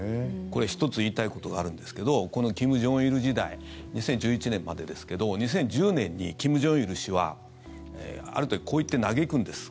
これ、１つ言いたいことがあるんですけどこの金正日時代２０１１年までですけど２０１０年に金正日氏はある時、こう言って嘆くんです。